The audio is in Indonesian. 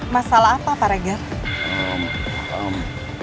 masalah apa paregar